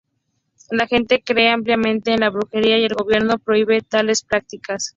La gente cree ampliamente en la brujería, y el gobierno prohíbe tales prácticas.